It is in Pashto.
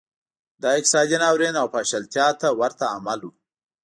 دا اقتصادي ناورین او پاشلتیا ته ورته عمل و